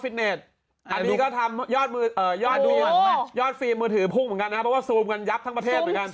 เพราะว่าซูมกันยับทั้งประเทศเหมือนกัน